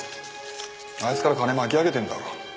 あいつから金巻き上げてるんだろ？